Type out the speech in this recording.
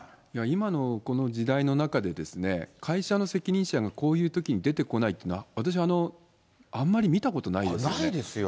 今のこの時代の中でですね、会社の責任者が、こういうときに出てこないというのは、私はあんまり見たことないですよね。